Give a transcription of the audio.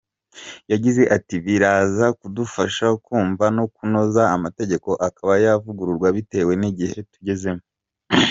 Yagize ati: “biraza kudufasha kumva no kunoza amategeko akaba yavugururwa bitewe n’igihe tugezemo.